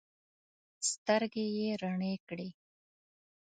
سترګې یې رڼې کړې.